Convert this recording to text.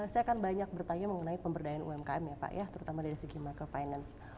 saya akan banyak bertanya mengenai pemberdayaan umkm ya pak ya terutama dari segi michael finance